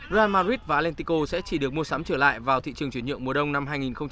real madrid và atletico sẽ chỉ được mua sắm trở lại vào thị trường chuyển nhượng mùa đông năm hai nghìn một mươi tám